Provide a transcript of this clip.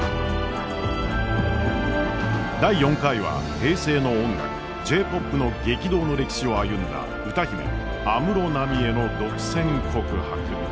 第４回は平成の音楽Ｊ−ＰＯＰの激動の歴史を歩んだ歌姫安室奈美恵の独占告白。